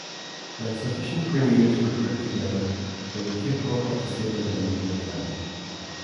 When sufficient grenades were grouped together, they were capable of disabling a medium tank.